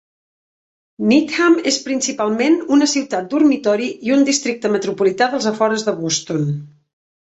Needham és principalment una ciutat dormitori i un districte metropolità dels afores de Boston.